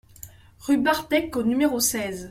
Rue Barthèque au numéro seize